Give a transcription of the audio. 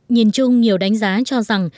nhìn chung nhiều đánh giá cho rằng